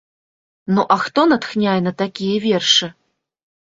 Ну, а хто натхняе на такія вершы?